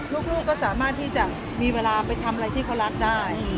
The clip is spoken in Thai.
ลูกก็สามารถที่จะมีเวลาไปทำอะไรที่เขารักได้